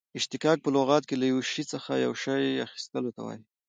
اشتقاق په لغت کښي له یوه شي څخه یو شي اخستلو ته وايي.